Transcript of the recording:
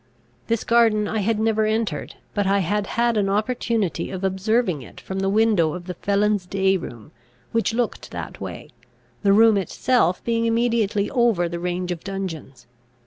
This garden I had never entered, but I had had an opportunity of observing it from the window of the felons' day room, which looked that way, the room itself being immediately over the range of dungeons.